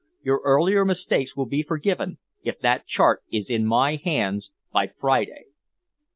Your earlier mistakes will be forgiven if that chart is in my hands by Friday."